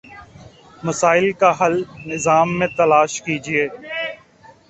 مسائل کا حل نظام میں تلاش کیجیے۔